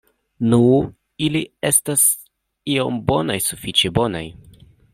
Nu, ili estas iom bonaj, sufiĉe bonaj.